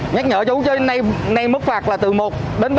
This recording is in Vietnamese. nhắc nhở chú chứ nay mức phạt là từ một đến hai